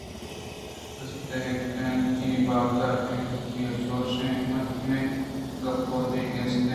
اِیسُب ءِ ہلکءُ ہنکین ء ِ بابت ءَ تنیگہ چُشیں مہکُمیں گپّ ءُ دلیل نیست